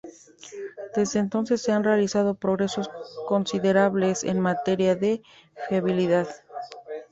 Desde entonces se han realizado progresos considerables en materia de fiabilidad.